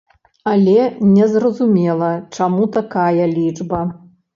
Але незразумела, чаму такая лічба.